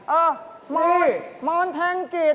เอ้าหมอนมอนแทงกิจ